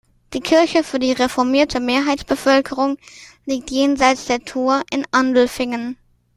Die Kirche für die reformierte Mehrheitsbevölkerung liegt jenseits der Thur in Andelfingen.